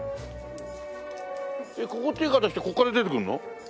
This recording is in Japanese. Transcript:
ここ手かざしてここから出てくるの？